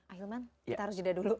ahilman kita harus jeda dulu